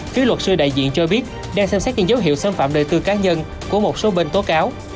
phía luật sư đại diện cho biết đang xem xét những dấu hiệu xâm phạm đời tư cá nhân của một số bên tố cáo